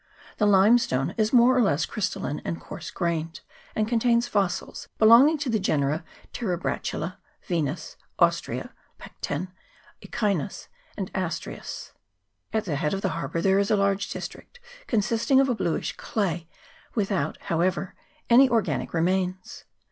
The limestone is more or less crystalline, and coarse grained; and contains fossils, belonging to the genera Terebratula, V'enus, Ostrea, Pec ten, Echinus, and Asterias. At the head of the har bour there is a large district consisting of a bluish clay, without, however, any organic remains.